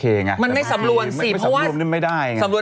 มันไม่สำรวมสิเพราะว่าสำรวมได้ไง